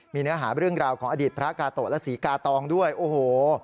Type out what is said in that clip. มีเนื้อหาเรื่องราวของอดีตพระกาโตะและศรีกาตองด้วยโอ้โห